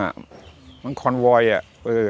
เหมือนคอนวอยอะ